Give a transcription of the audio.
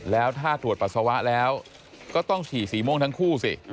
แล้วถ้าตรวจปัสสาวะแล้วก็ต้องฉี่สีม่วงทั้งคู่สิ